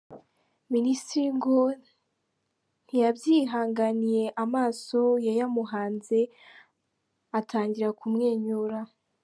Minisitiri ngo ntiyabyihanganiye amaso yayamuhanze atangira kumwenyura.